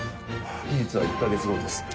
期日は１カ月後です。